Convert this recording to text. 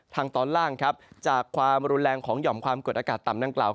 ทางตอนล่างครับจากความรุนแรงของหย่อมความกดอากาศต่ำนั่งกล่าว